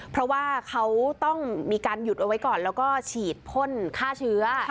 เพราะว่าเขาต้องมีการหยุดเอาไว้ก่อนแล้วก็ฉีดพ่นฆ่าเชื้อ